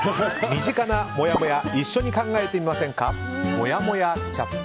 身近なもやもや一緒に考えてみませんか。